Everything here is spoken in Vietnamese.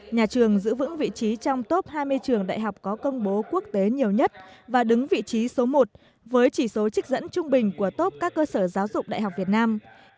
nhà trường giữ vững vị trí trong top hai mươi trường đại học có công bố quốc tế nhiều nhất và đứng vị trí số một với chỉ số trích dẫn trung bình của top các cơ sở giáo dục đại học việt nam